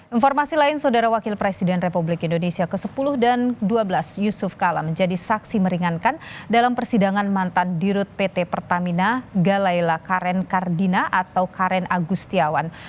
informasi lain saudara wakil presiden republik indonesia ke sepuluh dan ke dua belas yusuf kala menjadi saksi meringankan dalam persidangan mantan dirut pt pertamina galaila karen kardina atau karen agustiawan